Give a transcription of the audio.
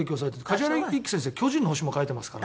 梶原一騎先生『巨人の星』も描いてますから。